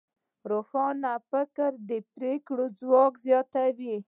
روښانه فکر د پرېکړې ځواک زیاتوي.